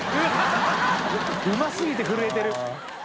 うますぎて震えてる。